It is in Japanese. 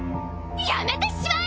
やめてしまえ！